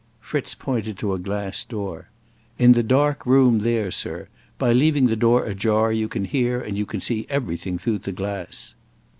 Fritz pointed to a glass door. "In the dark room there, sir. By leaving the door ajar you can hear and you can see everything through the glass."